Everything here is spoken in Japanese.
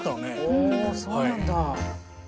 おそうなんだ。